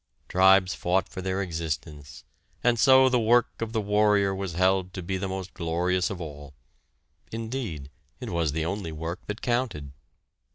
Tribes fought for their existence, and so the work of the warrior was held to be the most glorious of all; indeed, it was the only work that counted.